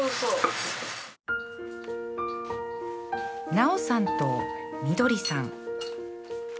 なおさんとみどりさん